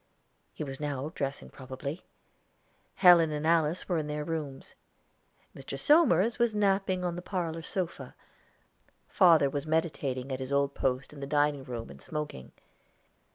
He was now dressing probably. Helen and Alice were in their rooms. Mr. Somers was napping on the parlor sofa; father was meditating at his old post in the dining room and smoking.